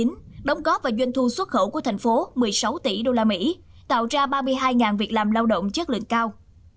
năm hai nghìn một mươi chín đóng góp và doanh thu xuất khẩu của thành phố một mươi sáu tỷ usd tạo ra ba mươi hai việc làm lao động chất lượng cao